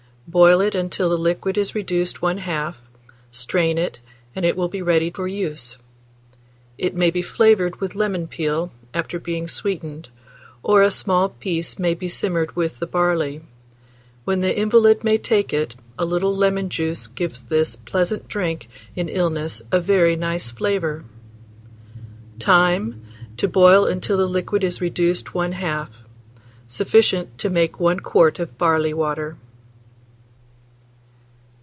Boil it until the liquid is reduced one half; strain it, and it will be ready for use. It may be flavoured with lemon peel, after being sweetened, or a small piece may be simmered with the barley. When the invalid may take it, a little lemon juice gives this pleasant drink in illness a very nice flavour. Time. To boil until the liquid is reduced one half. Sufficient to make 1 quart of barley water.